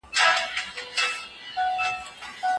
تحول راولئ.